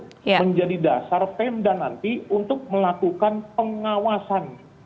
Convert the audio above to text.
jadi kita harus menanggung itu menjadi dasar pendan nanti untuk melakukan pengawasan